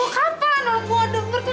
kapan lo mau ada berkening mengin